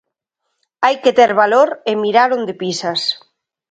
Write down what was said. Hai que ter valor e mirar onde pisas.